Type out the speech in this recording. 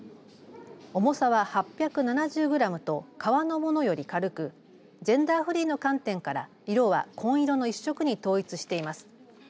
重さは８７０グラムと革のものより軽くジェンダーフリーの観点から色は紺色の一色に統一しています。